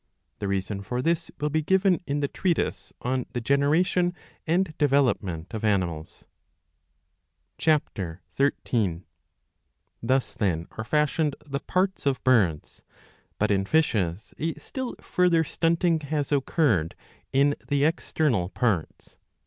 The reason for this will be given in the treatise on the Generation and Development of Animals.'* (Ch. 13.J Thus then are fashioned the parts of birds. But in fishes^ a still further stunting has occurred in the external parts.